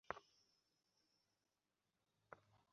তখন খেয়াল হলো, আমার হাত দুটো থেকে মাংস খুলে খুলে পড়ছে।